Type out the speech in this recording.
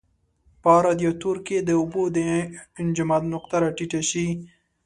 په رادیاتور کې د اوبو د انجماد نقطه را ټیټه شي.